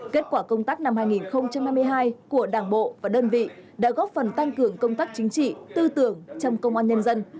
kết quả công tác năm hai nghìn hai mươi hai của đảng bộ và đơn vị đã góp phần tăng cường công tác chính trị tư tưởng trong công an nhân dân